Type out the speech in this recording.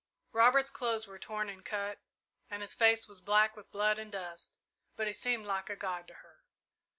Robert's clothes were torn and cut, and his face was black with blood and dust, but he seemed like a god to her.